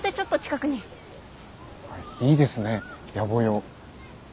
いいですね野暮用。